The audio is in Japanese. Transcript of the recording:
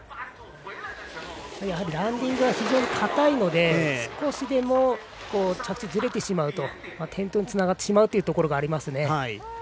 やはりランディングが非常にかたいので少しでも着地がずれてしまうと転倒につながってしまうところがありますね。